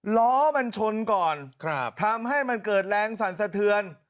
ล้อมันชนก่อนทำให้มันเกิดแรงสั่นสะเทือน